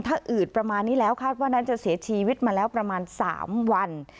ถ้าอืดประมาณนี้แล้วคาดว่านั้นจะเสียชีวิตมาแล้วประมาณ๓วัน